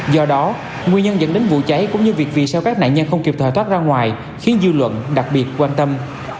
do đó nguyên nhân dẫn đến vụ cháy cũng như việc vì sao các nạn nhân không kịp thời thoát ra ngoài khiến dư luận đặc biệt quan tâm